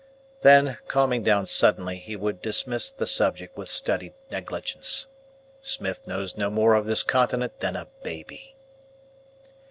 Then, calming down suddenly, he would dismiss the subject with studied negligence. "Smith knows no more of this continent than a baby."